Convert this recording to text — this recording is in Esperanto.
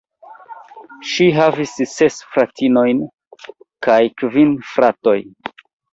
Ŝi havis ses fratinojn kaj kvin fratojn.